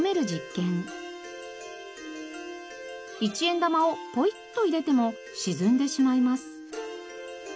１円玉をポイッと入れても沈んでしまいます。